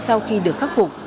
sau khi được khắc phục